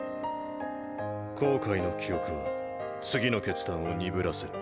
後悔の記憶は次の決断を鈍らせる。